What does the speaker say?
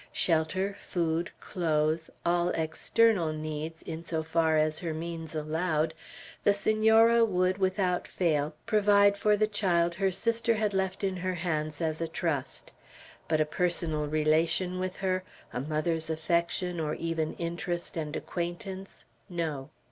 Shelter, food, clothes, all external needs, in so far as her means allowed, the Senora would, without fail, provide for the child her sister had left in her hands as a trust; but a personal relation with her, a mother's affection, or even interest and acquaintance, no.